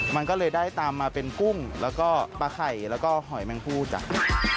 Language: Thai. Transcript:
มันก็เลยได้ตามมาเป็นกุ้งแล้วก็ปลาไข่แล้วก็หอยแมงพู่จ้ะ